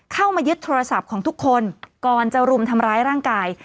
เข้ามายึดโทรศัพท์ของทุกคนก่อนจะรุมทำร้ายร่างกาย